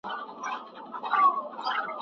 په صحبت نه مړېدی د عالمانو